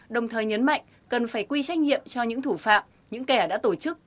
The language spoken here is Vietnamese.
đồng thời nhấn mạnh cần phải quy trách nhiệm cho những thủ phạm những kẻ đã tổ chức